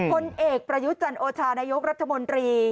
ผลเอกประยุจันโอชานายกรัฐมนตรี